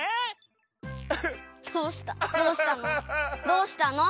どうしたの？